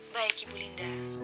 baik ibu linda